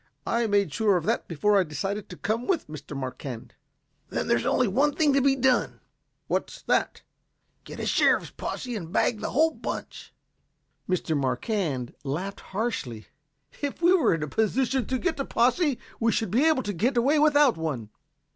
"I made sure of that before I decided to come with Mr. Marquand." "Then there's only one thing to be done." "What's that?" "Get a sheriff's posse and bag the whole bunch." Mr. Marquand laughed harshly. "If we were in a position to get a posse we should be able to get away without one.